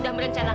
dan papan sajak